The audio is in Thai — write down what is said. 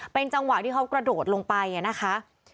เป็นจังหวะที่เขากระโดดลงไปนะคะ